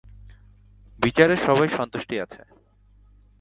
বিচারে সবারই সন্তুষ্টি আছে।